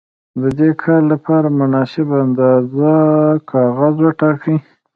د دې کار لپاره مناسبه اندازه کاغذ وټاکئ.